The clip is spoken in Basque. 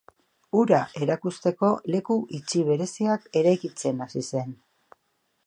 Hura erakusteko leku itxi bereziak eraikitzen hasi zen.